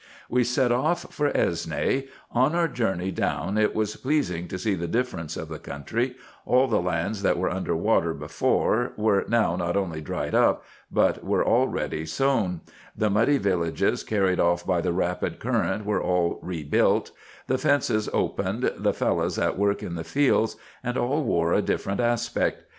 We set off for Esne. On our way down it was pleasing to see the difference of the country : all the lands that were under water before were now not only dried up, but were already sown ; the muddy villages carried off by the rapid current were all rebuilt ; the fences opened ; the Fellahs at work in the fields, and all wore a different aspect.